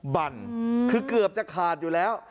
บั่นคือเกือบจะขาดอยู่แล้ว